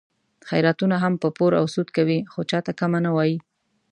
خیراتونه هم په پور او سود کوي، خو چاته کمه نه وایي.